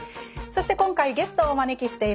そして今回ゲストをお招きしています。